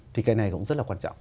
thì cái này cũng rất là quan trọng